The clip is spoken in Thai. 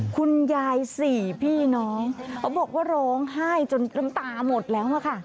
คุณยายสี่พี่น้องเขาบอกว่าร้องไห้จนน้ำตาหมดแล้วอะค่ะ